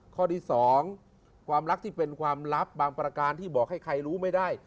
ข้อที่๒ความรักที่เป็นความลับบางประการที่บอกให้ใครรู้ไม่ได้